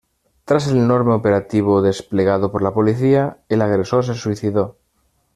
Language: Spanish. Tras el enorme operativo desplegado por la policía, el agresor se suicidó.